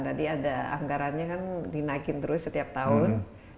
tadi ada anggarannya kan dinaikin terus setiap tahun